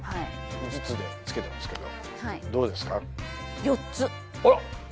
５つでつけてますけどどうですか？